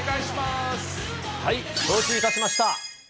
承知いたしました。